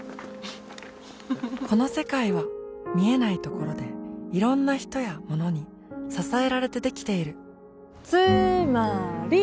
この世界は見えないところでいろんな人やものに支えられてできているつーまーり！